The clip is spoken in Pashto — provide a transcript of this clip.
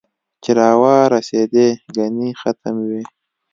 چې را ورېسېدې ګنې ختم وې